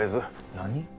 何？